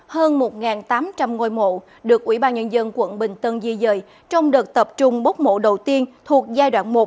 hơn một tám trăm linh ngôi mộ được ủy ban nhân dân quận bình tân di dời trong đợt tập trung bốc mộ đầu tiên thuộc giai đoạn một